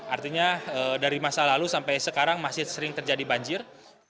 artinya dari masa lalu sampai sekarang masih sering terjadi banjir